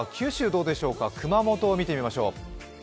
どうでしょうか、熊本を見てみましょう。